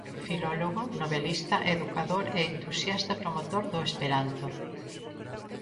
Filólogo, novelista, educador e entusiasta promotor do esperanto.